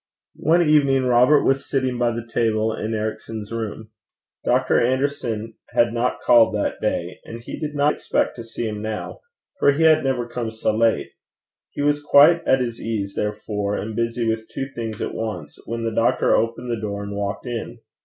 One evening Robert was sitting by the table in Ericson's room. Dr. Anderson had not called that day, and he did not expect to see him now, for he had never come so late. He was quite at his ease, therefore, and busy with two things at once, when the doctor opened the door and walked in.